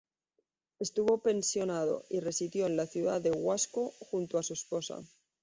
Estuvo pensionado, y residió en la ciudad de Huasco junto a su esposa.